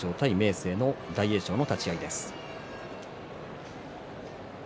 生の大栄翔の立ち合いです。